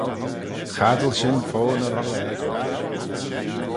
Chaddil shin fo ny rollageyn.